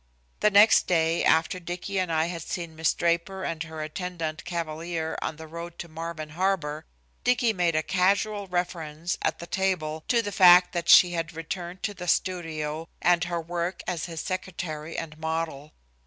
The next day after Dicky and I had seen Miss Draper and her attendant cavalier on the road to Marvin harbor, Dicky made a casual reference at the table to the fact that she had returned to the studio and her work as his secretary and model.